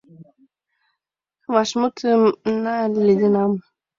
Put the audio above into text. Вашмутым наледенам.